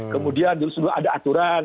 kemudian dulu sudah ada aturan